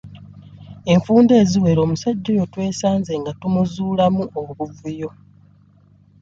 Enfunda eziwera omusajja oyo twesanze nga tumuzuulamu obuvuyo.